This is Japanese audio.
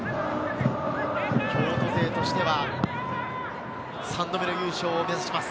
京都勢としては３度目の優勝を目指します。